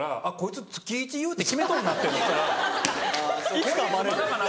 いつかバレる。